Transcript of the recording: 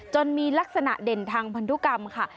มีลักษณะเด่นทางพันธุกรรมค่ะ